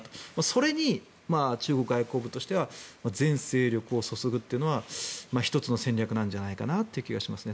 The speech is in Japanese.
それに中国外交部としては全精力を注ぐというのは１つの戦略じゃないかなという気がしますね。